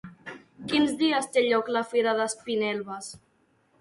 Quins dies té lloc la "Fira d'Espinelves"?